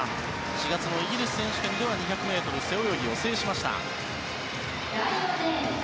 ４月のイギリス選手権では２００ｍ背泳ぎを制しました。